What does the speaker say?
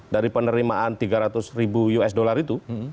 dari penerimaan tiga ratus ribu usd itu